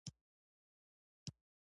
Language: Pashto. داور پر پاڼو باندي ،